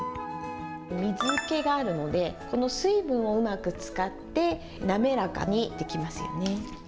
水けがあるので、この水分をうまく使って、滑らかにできますよね。